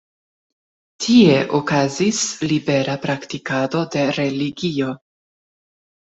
Tie okazis libera praktikado de religio.